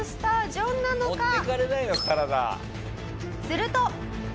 すると。